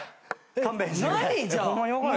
勘弁してくれ。